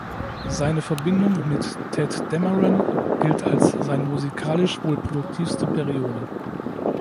Seine Verbindung mit Tadd Dameron gilt als seine musikalisch wohl produktivste Periode.